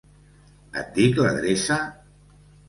Et dic l'adreça?